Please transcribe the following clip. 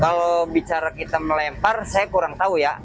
kalau bicara kita melempar saya kurang tahu ya